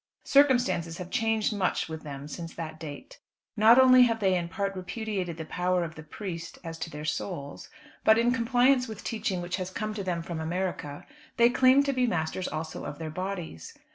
Circumstances have changed much with them since that date. Not only have they in part repudiated the power of the priest as to their souls, but, in compliance with teaching which has come to them from America, they claim to be masters also of their bodies.